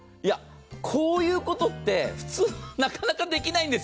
こういう音って普通はなかなか出ないんです。